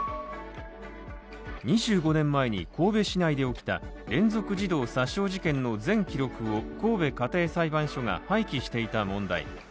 ２５年前に、神戸市内で起きた連続児童殺傷事件の全記録を神戸家庭裁判所が廃棄していた問題。